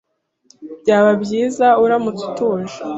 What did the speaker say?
Byaba byiza uramutse tuje.